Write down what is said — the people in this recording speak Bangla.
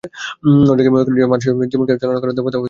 অনেকেই মনে করেন যে, মানুষের জীবনকে চালনা করেন দেবতা ও উপদেবতারা।